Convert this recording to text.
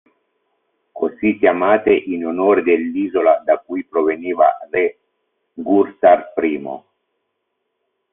Così chiamate in onore dell'isola da cui proveniva re Ghurtar I.